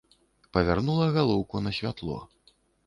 Павярнула галоўку на святло.